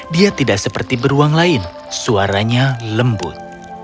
dia tidak seperti beruang lain suaranya lembut